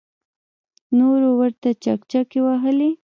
نورو ورته چکچکې وهلې.